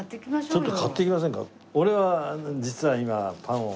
ちょっと買っていきませんか？